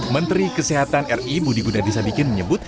menteri kesehatan ri budi gunadisadikin menyebut